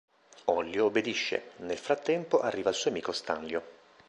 Ollio obbedisce; nel frattempo arriva il suo amico Stanlio.